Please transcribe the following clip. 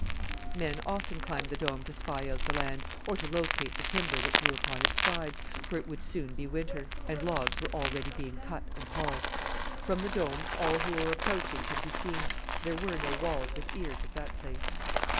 Men often climbed the Dome to spy out the land or to locate the timber that grew upon its sides, for it would soon be winter, and logs were already being cut and hauled. From the Dome all who were approaching could be seen; there were no walls with ears at that place.